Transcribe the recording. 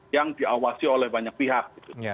yang diawasi oleh banyak pihak gitu